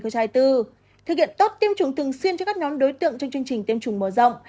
thực hiện tốt tiêm chủng thường xuyên cho các nhóm đối tượng trong chương trình tiêm chủng mở rộng